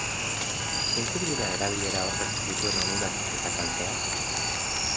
Zeintzuk dira erabilera horrek dituen onurak eta kalteak?